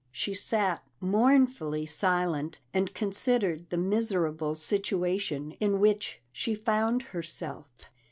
She sat mournfully silent, and considered the miserable situation in which she found herself.